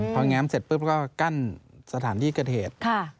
พอแงบเสร็จปุ๊บเราก็กั้นสถานที่กระเทศ